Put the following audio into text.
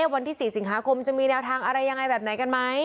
วันที่๔สิงหาคมจะมีแนวทางอะไรยังไงแบบไหนกันไหม